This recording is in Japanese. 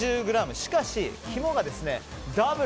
しかし、肝がダブル